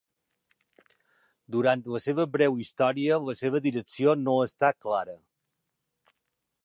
Durant la seva breu història la seva direcció no està clara.